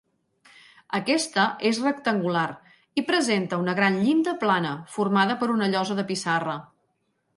Aquesta és rectangular i presenta una gran llinda plana formada per una llosa de pissarra.